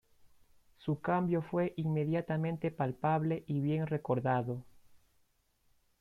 Su cambio fue inmediatamente palpable y bien recordado.